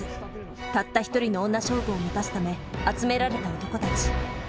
たった一人の女将軍を満たすため集められた男たち。